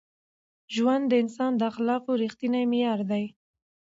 ژوند د انسان د اخلاقو رښتینی معیار دی.